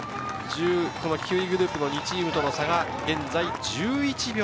９位グループの２チームとの差は現在１１秒。